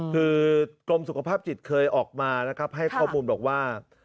คือกรมสุขภาพจิตเคยออกมานะครับให้ข้อมูลบอกว่า